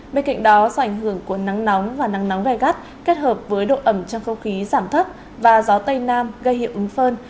bên cạnh đó do ảnh hưởng của nắng nóng và nắng nóng gai gắt kết hợp với độ ẩm trong không khí giảm thấp và gió tây nam gây hiệu ứng phơn